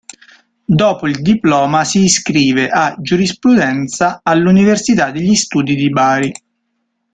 Dopo il diploma si iscrive a Giurisprudenza all'Università degli Studi di Bari.